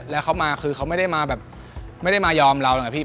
แล้วเขามาคือเขาไม่ได้มายอมเรา